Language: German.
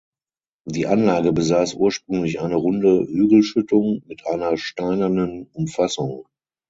Die Anlage besaß ursprünglich eine runde Hügelschüttung mit einer steinernen Umfassung.